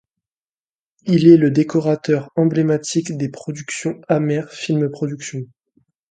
Il est le décorateur emblématique des productions Hammer Film Productions.